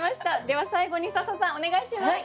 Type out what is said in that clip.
では最後に笹さんお願いします。